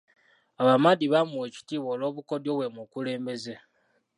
Abamadi baamuwa ekitiibwa olw'obukodyo bwe mu bukulembeze.